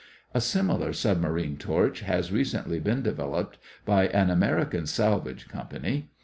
A similar submarine torch has recently been developed by an American salvage company.